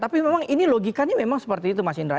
tapi memang ini logikanya memang seperti itu mas indra